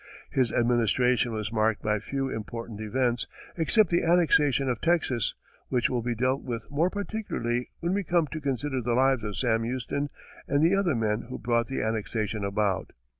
His administration was marked by few important events except the annexation of Texas, which will be dealt with more particularly when we come to consider the lives of Sam Houston and the other men who brought the annexation about.